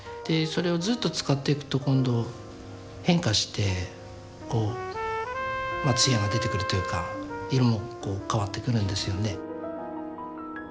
でそれをずっと使っていくと今度変化してこう艶が出てくるというか色もこう変わってくるんですよね。